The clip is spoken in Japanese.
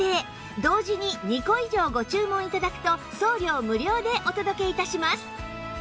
同時に２個以上ご注文頂くと送料無料でお届け致します